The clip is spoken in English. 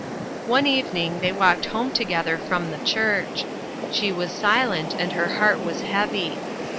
One evening they walked home together from the church. She was silent, and her heart was heavy.